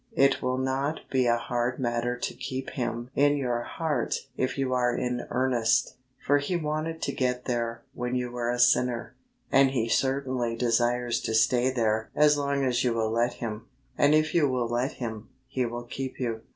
It will not be a hard matter to keep Him in your heart if you are in earnest, for He wanted to get there when you were a sinner, and He certainly desires to stay there as long as you will let Him ; and if you will let Him, He will keep you.